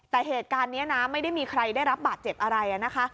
แต่เหตุการณ์นี้นะไม่ได้มีใครได้รับบาดเจ็บอะไรนะคะ